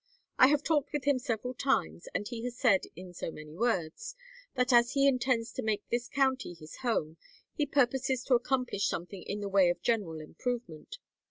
I have talked with him several times, and he has said, in so many words, that as he intends to make this county his home he purposes to accomplish something in the way of general improvement.